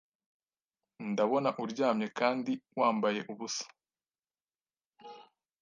Ndabona uryamye kandi wambaye ubusa